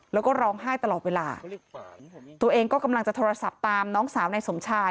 แล้วก็ร้องไห้ตลอดเวลาตัวเองก็กำลังจะโทรศัพท์ตามน้องสาวนายสมชาย